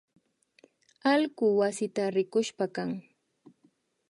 Allku wasita rikushpakan